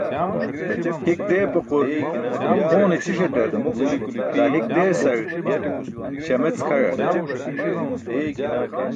Hik deepaqur hoone ćʰiṣtar, daa hik deesaẏ śamec kʰayar.